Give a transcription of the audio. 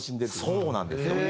そうなんですよ。